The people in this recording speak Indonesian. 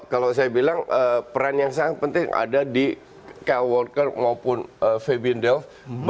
kalau saya bilang peran yang sangat penting ada di kyle walker maupun fabian delft